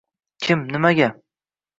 Kim, nimaga?